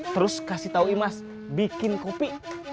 terus kasih tahu imas bikin kopi